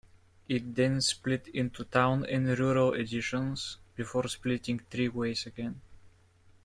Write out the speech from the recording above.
It then split into Town and Rural editions, before splitting three ways again.